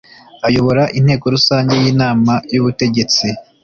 ayobora inteko rusange n’inama y’ubutegetsi